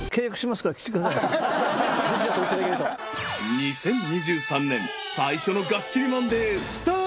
２０２３年最初の「がっちりマンデー！！」